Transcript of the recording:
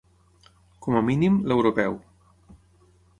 Com a mínim, l’europeu.